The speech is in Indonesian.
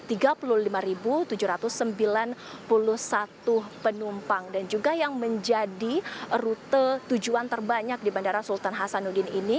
ini juga mencapai angka tiga puluh satu penumpang dan juga yang menjadi rute tujuan terbanyak di bandara sultan hasanuddin ini